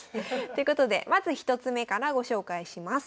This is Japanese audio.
ということでまず１つ目からご紹介します。